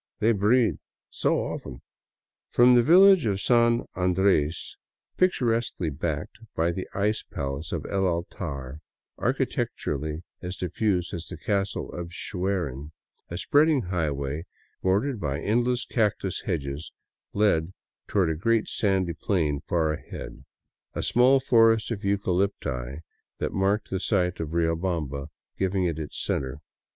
They breed so often !" From the village of San Andres, picturesquely backed by the ice palace of El Altar, architecturally as diffuse as the Castle of Schwerin, a spreading highway, bordered by endless cactus hedges, led toward a great sandy plain far ahead, a small forest of eucalypti that marked the site of Riobamba giving it center.